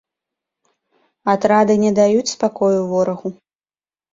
Атрады не даюць спакою ворагу.